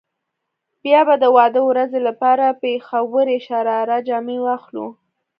بيا به د واده ورځې لپاره پيښورۍ شراره جامې واخلو.